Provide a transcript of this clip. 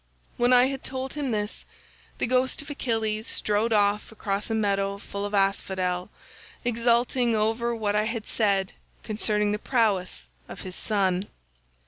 "When I had told him this, the ghost of Achilles strode off across a meadow full of asphodel, exulting over what I had said concerning the prowess of his son.